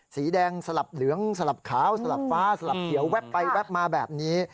สีแดงสลับเหลืองสลับขาวสลับฟ้าสลับเขียวแป๊บไปแวบมาแบบนี้